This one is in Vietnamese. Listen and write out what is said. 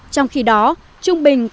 trong khi đó trung bình